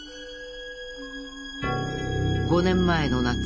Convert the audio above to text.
５年前の夏